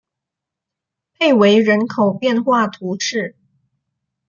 佩维人口变化图示